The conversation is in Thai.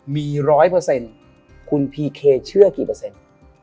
มีร้อยเปอร์เซ็นต์คุณพีเคเชื่อกี่เปอร์เซ็นต์